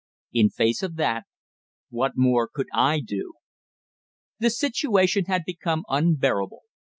In face of that, what more could I do? The situation had become unbearable.